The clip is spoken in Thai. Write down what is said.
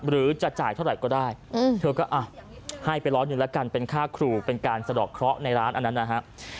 หรือจะจ่ายเท่าไหร่ก็ได้เธอก็ให้ไปร้อยหนึ่งแล้วกันเป็นค่าครูเป็นการสะดอกเคราะห์ในร้านอันนั้นนะฮะ